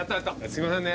すみませんね。